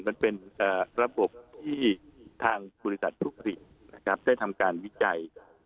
มันเป็นระบบที่ทางบุริษัททุกศิษย์จะทำการวิจัย